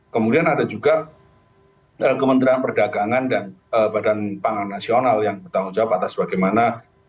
kemudian ada juga kementerian perdagangan dan badan pangan nasional yang bertanggung jawab atas bagaimana